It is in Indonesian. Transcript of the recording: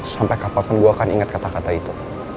sampai kapanpun gue akan ingat kata kata itu